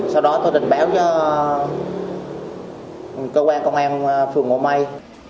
sau đó tôi trình báo cho cơ quan công an phường ngô mây